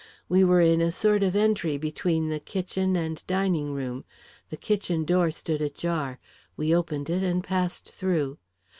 We were in a sort of entry between kitchen and dining room; the kitchen door stood ajar; we opened it and passed through.